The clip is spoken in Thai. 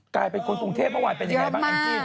กลายเป็นคนกรุงเทพเมื่อวานเป็นยังไงบ้างแองจี้